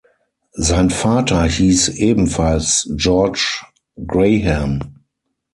Sein Vater hieß ebenfalls George Graham.